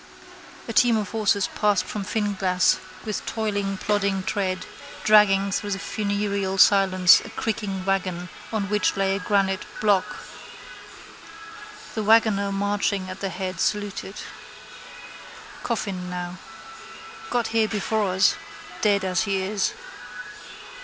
A team of horses passed from Finglas with toiling plodding tread, dragging through the funereal silence a creaking waggon on which lay a granite block. The waggoner marching at their head saluted. Coffin now. Got here before us, dead as he is.